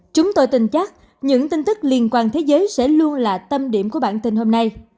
chúng tôi tin chắc những tin tức liên quan thế giới sẽ luôn là tâm điểm của bản tin hôm nay